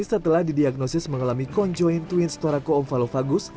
setelah didiagnosis mengalami conjoin twin storacoomphalophagus